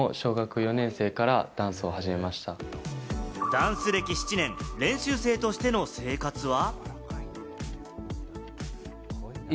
ダンス歴７年、練習生としての生活は。